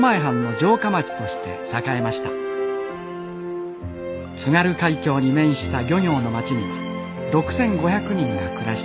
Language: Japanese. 津軽海峡に面した漁業の町には６，５００人が暮らしています。